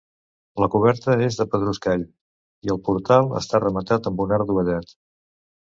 La coberta és de pedruscall, i el portal està rematat amb un arc dovellat.